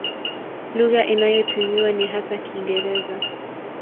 Lugha inayotumiwa ni hasa Kiingereza.